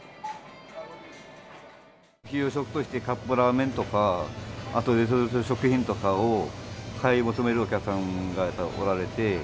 非常食としてカップラーメンとか、あとレトルト食品とかを買い求めるお客さんがやっぱりおられて。